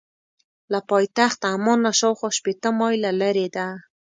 له پایتخت عمان نه شاخوا شپېته مایله لرې ده.